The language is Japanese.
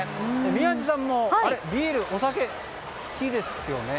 宮司さんもビール、お酒好きですよね？